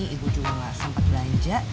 ibu juga gak sempet belanja